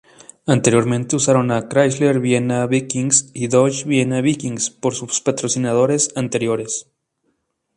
Anteriormente usaron Chrysler Vienna Vikings y Dodge Vienna Vikings por sus patrocinadores anteriores.